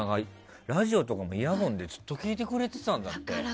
ラジオとかもイヤホンでずっと聴いてくれてたんだって。